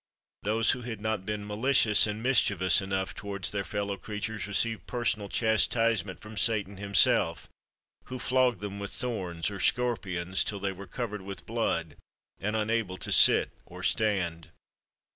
Those who had not been malicious and mischievous enough towards their fellow creatures, received personal chastisement from Satan himself, who flogged them with thorns or scorpions till they were covered with blood, and unable to sit or stand.